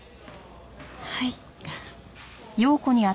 はい。